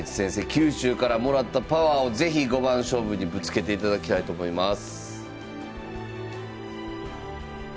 九州からもらったパワーを是非五番勝負にぶつけていただきたいと思います。